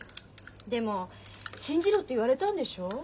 でも信じろって言われたんでしょ？